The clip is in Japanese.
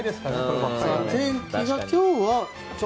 天気は今日は。